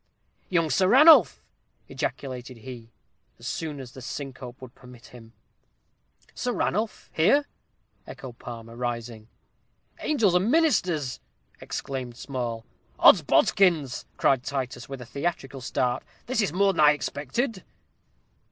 "Young Sir Ranulph!" ejaculated he, as soon as the syncope would permit him. "Sir Ranulph here?" echoed Palmer, rising. "Angels and ministers!" exclaimed Small. "Odsbodikins!" cried Titus, with a theatrical start; "this is more than I expected."